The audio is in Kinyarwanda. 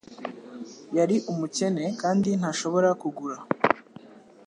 Yari umukene kandi ntashobora kugura